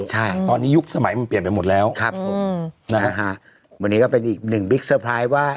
ใช่ตอนนี้ยุคสมัยมันเปลี่ยนไปหมดแล้วครับผมนะฮะวันนี้ก็เป็นอีกหนึ่งบิ๊กเซอร์ไพรส์ว่า